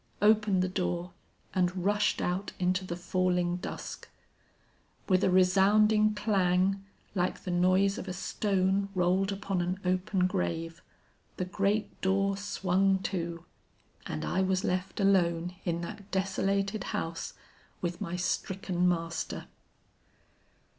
opened the door, and rushed out into the falling dusk. With a resounding clang like the noise of a stone rolled upon an open grave, the great door swung to, and I was left alone in that desolated house with my stricken master.